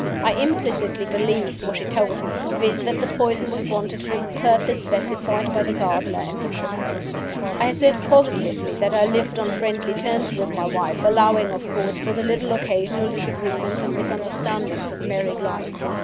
I implicitly believed what she told me; viz., that the poison was wanted for the purposes specified by the gardener and the cook. "I assert positively that I lived on friendly terms with my wife, allowing, of course, for the little occasional disagreements and misunderstandings of married life.